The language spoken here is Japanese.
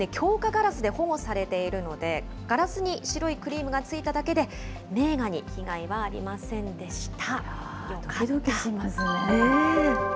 ガラスで保護されているので、ガラスに白いクリームがついただけで、名画に被害はありませんでよかった。